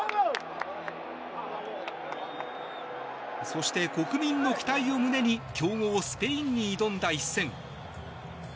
そして国民の期待を胸に強豪スペインに挑んだ一戦。